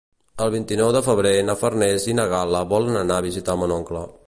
El vint-i-nou de febrer na Farners i na Gal·la volen anar a visitar mon oncle.